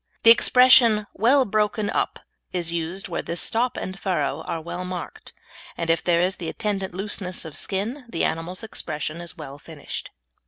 The expression "well broken up" is used where this stop and furrow are well marked, and if there is the attendant looseness of skin the animal's expression is well finished.